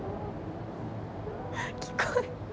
聞こえん。